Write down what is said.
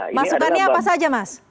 masukannya apa saja mas